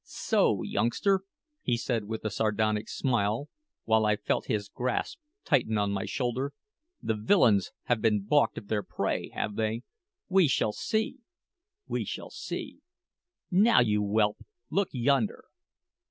"So, youngster," he said with a sardonic smile, while I felt his grasp tighten on my shoulder, "the villains have been balked of their prey, have they? We shall see we shall see. Now, you whelp, look yonder!"